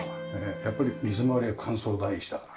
やっぱり水回りは乾燥第一だからね。